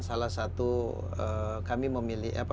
salah satu kami memilih